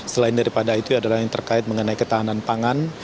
selain daripada itu adalah yang terkait mengenai ketahanan pangan